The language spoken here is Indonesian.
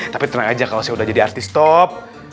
tapi tenang aja kalau saya udah jadi artis top